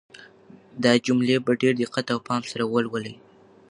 دا جملې په ډېر دقت او پام سره ولولئ.